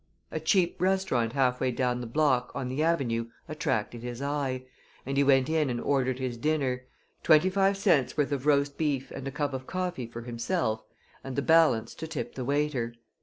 A cheap restaurant half way down the block, on the avenue, attracted his eye, and he went in and ordered his dinner twenty five cents' worth of roast beef and a cup of coffee for himself, and the balance to tip the waiter.